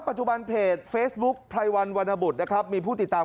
ใช่เพราะเป็นนี้ใช่ไหม